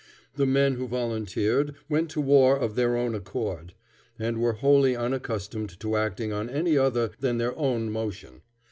The men who volunteered went to war of their own accord, and were wholly unaccustomed to acting on any other than their own motion.